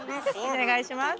お願いします。